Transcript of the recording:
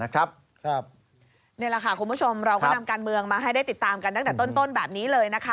นี่แหละค่ะคุณผู้ชมเราก็นำการเมืองมาให้ได้ติดตามกันตั้งแต่ต้นแบบนี้เลย